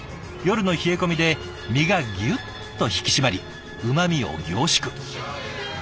夜の冷え込みで身がギュッと引き締まりうまみを凝縮。